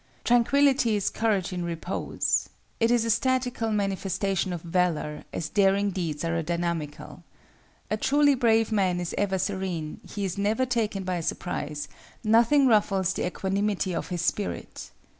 Tranquillity is courage in repose. It is a statical manifestation of valor, as daring deeds are a dynamical. A truly brave man is ever serene; he is never taken by surprise; nothing ruffles the equanimity of his spirit.